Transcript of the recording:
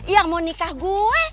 yang mau nikah gue